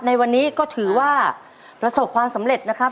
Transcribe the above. ในวันนี้ก็ถือว่าประสบความสำเร็จนะครับ